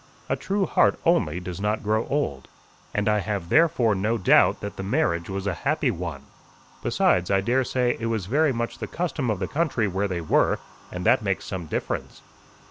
A true heart only does not grow old. And I have, therefore, no doubt that the marriage was a happy one. Besides, I daresay it was very much the custom of the country where they were, and that makes some difference."